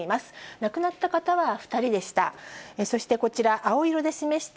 亡くなった方は２人でした。